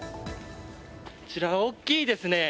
こちら、大きいですね。